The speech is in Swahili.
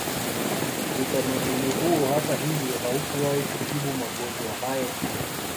Utamaduni huo hata hivyo haukuwahi kutibu magonjwa hayo pia